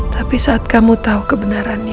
tidak kamu harus menahan orang ini